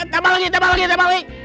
tambah lagi tambah lagi